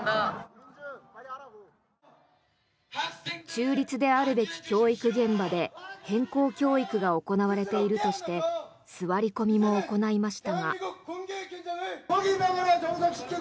中立であるべき教育現場で偏向教育が行われているとして座り込みも行いましたが。